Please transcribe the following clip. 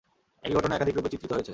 একই ঘটনা একাধিকরূপে চিত্রিত হয়েছে।